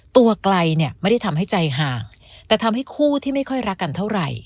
ตัวไกลเนี่ยไม่ได้ทำให้ใจห่างแต่ทำให้คู่ที่ไม่ค่อยรักกันเท่าไหร่